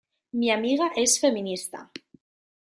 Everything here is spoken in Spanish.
Mi amiga es feminista